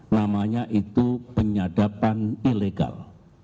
namanya itu penyadapan ilegal